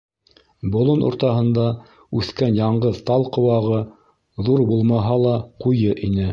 Болон уртаһында үҫкән яңғыҙ тал ҡыуағы, ҙур булмаһа ла, ҡуйы ине.